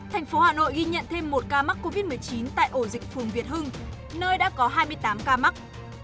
thành phố hà nội ghi nhận thêm một ca mắc covid một mươi chín tại ổ dịch phường việt hưng nơi đã có hai mươi tám ca mắc